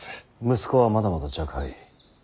息子はまだまだ若輩。